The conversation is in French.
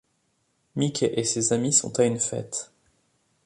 Mickey et ses amis sont à une fête.